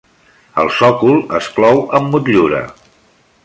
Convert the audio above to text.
El sòcol es clou amb motllura.